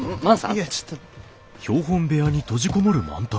いやちょっと？